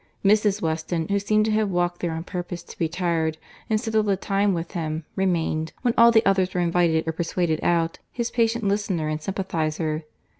—Mrs. Weston, who seemed to have walked there on purpose to be tired, and sit all the time with him, remained, when all the others were invited or persuaded out, his patient listener and sympathiser.